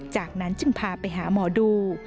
จากนั้นจึงพาไปหาหมอดู